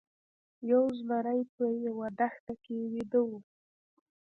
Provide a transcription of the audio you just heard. یو زمری په یوه دښته کې ویده و.